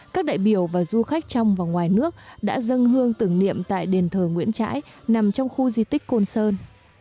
các đại biểu và du khách trong và ngoài nước đã dâng hương tưởng niệm tại đền thờ nguyễn trãi nằm trong khu di tích côn sơn